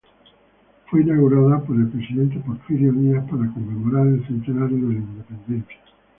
Fue inaugurada por el presidente Porfirio Díaz para conmemorar el centenario de la Independencia.